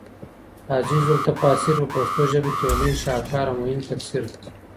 عزيز التفا سير په پښتو ژبه کي يو لوى شهکار اومهم تفسير دی